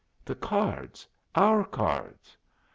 "The cards! our cards!"